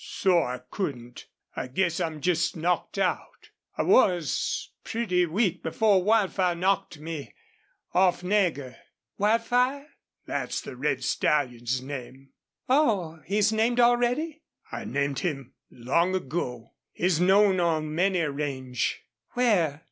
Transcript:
"So I couldn't. I guess I'm just knocked out. I was pretty weak before Wildfire knocked me off Nagger." "Wildfire?" "That's the red stallion's name." "Oh, he's named already?" "I named him long ago. He's known on many a range." "Where?"